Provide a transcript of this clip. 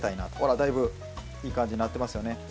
だいぶいい感じになってますね。